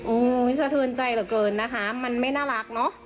โอ้โหสะเทินใจเหลือเกินนะคะมันไม่น่ารักเนอะ